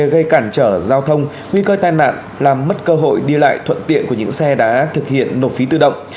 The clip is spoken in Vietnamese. gây cản trở giao thông nguy cơ tai nạn làm mất cơ hội đi lại thuận tiện của những xe đã thực hiện nộp phí tự động